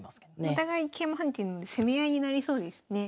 お互い桂馬跳ねてるので攻め合いになりそうですね。